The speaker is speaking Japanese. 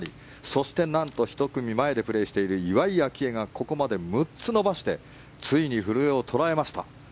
そして、なんと１組前でプレーしている岩井明愛がここまで６つ伸ばしてついに古江を捉えました。